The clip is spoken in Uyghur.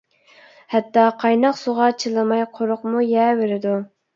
ھەتتا قايناق سۇغا چىلىماي قۇرۇقمۇ يەۋېرىدۇ.